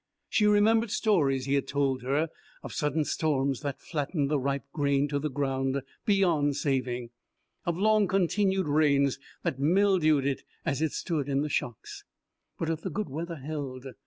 She remembered stories he had told her of sudden storms that flattened the ripe grain to the ground, beyond saving; of long continued rains that mildewed it as it stood in the shocks. But if the good weather held!